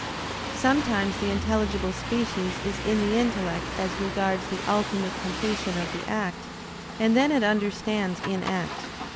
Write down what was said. Sometimes the intelligible species is in the intellect as regards the ultimate completion of the act, and then it understands in act.